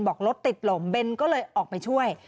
บอกรถติดลมเบนก็เลยออกไปช่วย